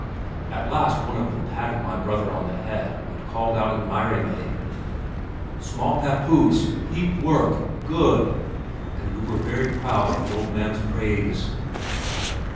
At last one of them patted my brother on the head and called out admiringly, "Small pappoose, heap work good!" and we were very proud of the old man's praise.